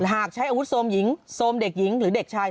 หากใช้อาวุธโทษอีกทีส้มหญิงโทษเด็กหญิงหรือเด็กชาย